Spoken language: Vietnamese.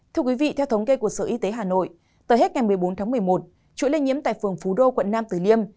thưa quý vị theo thống kê của sở y tế hà nội tới hết ngày một mươi bốn tháng một mươi một chuỗi lây nhiễm tại phường phú đô quận nam tử liêm